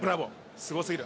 すごすぎる。